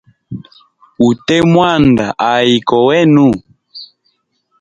Ute mwanda ayi kowa wenu.